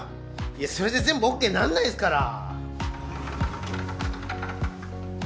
いやそれで全部ＯＫになんないですから。